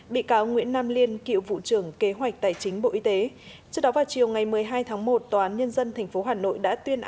bị cáo nguyễn nam liên cựu vụ trưởng kế hoạch tài chính bộ y tế